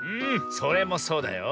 それもそうだよ。